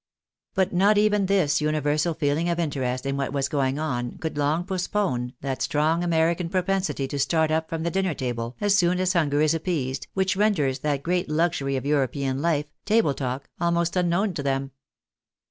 But not even this universal feeling of interest in what was going on, could long postpone that strong American propensity to start up from the dinner table as soon as hunger is appeased, which renders that great luxury of European hfe, table talk, almost unknown to them.